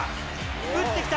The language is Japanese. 打ってきた。